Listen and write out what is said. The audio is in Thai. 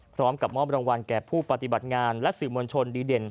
พร้อมกับมอบรางวัลแก่ผู้ปฏิบัติงานและสื่อมวลชนดีเด่น